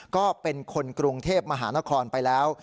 ก็เป็นคนกรุงเทพมหานครไปแล้ว